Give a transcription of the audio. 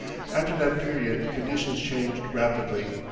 After that period conditions changed rapidly.